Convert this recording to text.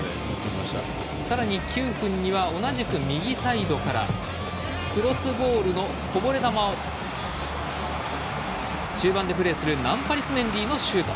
さらに９分には同じく右サイドからクロスボールのこぼれ球中盤でプレーするナンパリス・メンディのシュート。